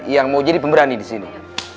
yang mau jadi pemberani disini